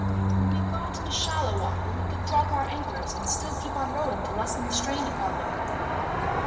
When we got into shallow water we should drop our anchors, and still keep on rowing to lessen the strain upon them.